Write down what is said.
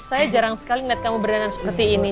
saya jarang sekali ngeliat kamu berdandan seperti ini